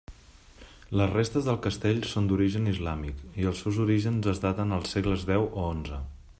Les restes del castell són d'origen islàmic, i els seus orígens es daten als segles deu o onze.